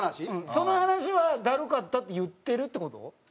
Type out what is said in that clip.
その話はだるかったって言ってるって事？